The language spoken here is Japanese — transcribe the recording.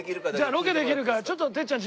じゃあロケできるかちょっとてっちゃん